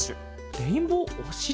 レインボーおしり